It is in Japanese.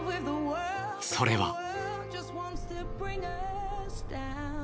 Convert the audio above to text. それは。